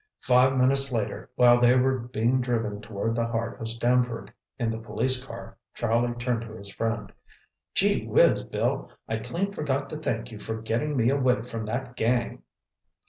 Five minutes later, while they were being driven toward the heart of Stamford in the police car, Charlie turned to his friend. "Gee whizz, Bill, I clean forgot to thank you for getting me away from that gang!"